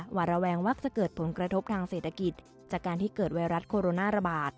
หวาดระแวงมักจะเกิดผลกระทบทางเศรษฐกิจจากการที่เกิดไวรัสโคโรนาระบาด